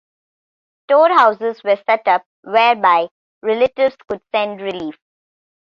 Storehouses were set up whereby relatives could send relief.